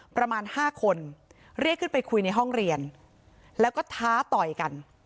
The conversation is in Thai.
ประมาณ๕คนเรียกขึ้นไปคุยในห้องเรียนแล้วก็ท้าต่อยกัน